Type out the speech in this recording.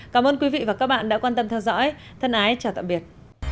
cảm ơn quý vị và các bạn đã quan tâm theo dõi thân ái chào tạm biệt